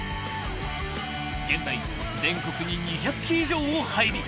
［現在全国に２００機以上を配備］